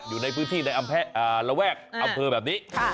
อยู่ในพื้นที่ในระแวกอำเภอแบบนี้